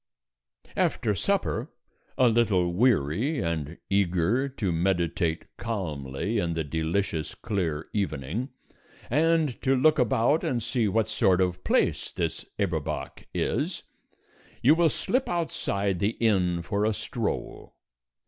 After supper, a little weary and eager to meditate calmly in the delicious clear evening, and to look about and see what sort of place this Eberbach is, you will slip outside the inn for a stroll.